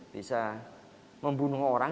bisa membunuh orang